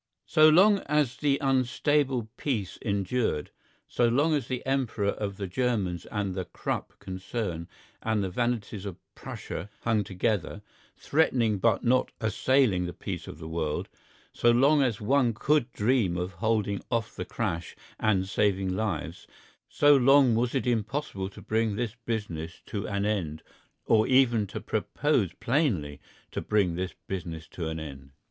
So long as the unstable peace endured, so long as the Emperor of the Germans and the Krupp concern and the vanities of Prussia hung together, threatening but not assailing the peace of the world, so long as one could dream of holding off the crash and saving lives, so long was it impossible to bring this business to an end or even to propose plainly to bring this business to an end.